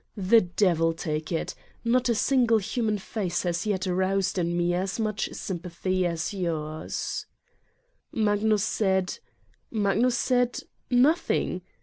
The devil take it, not a single human face has yet aroused in me as much sympathy as yours 1" Magnus said ... Magnus said nothing!